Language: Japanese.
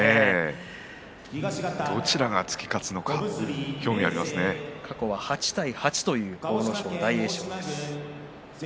どちらが突き勝つのか過去８対８という阿武咲と大栄翔です。